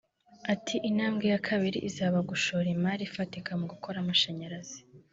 Ati “Intambwe ya kabiri izaba gushora imari ifatika mu gukora amashanyarazi